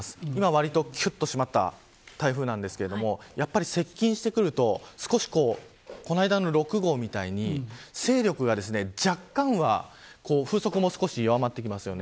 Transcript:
今は、わりときゅっと締まった台風ですが接近してくると、少しこの間の６号みたいに、勢力が若干は風速も少し弱まってきます。